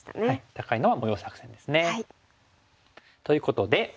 高いのは模様作戦ですね。ということで。